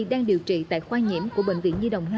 đang điều trị tại khoa nhiễm của bệnh viện nhi đồng hai